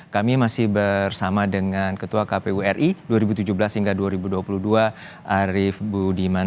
kami masih bersama dengan ketua kpu ri dua ribu tujuh belas hingga dua ribu dua puluh dua arief budiman